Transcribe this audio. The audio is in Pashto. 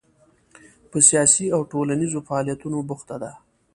په سیاسي او ټولنیزو فعالیتونو بوخته ده.